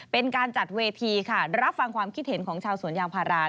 เป็นการจัดเวทีค่ะรับฟังความคิดเห็นของชาวสวนยางพารา